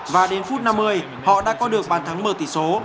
và đến phút năm mươi họ đã có được bàn thắng mở tỷ số